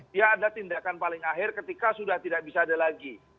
dia ada tindakan paling akhir ketika sudah tidak bisa ada lagi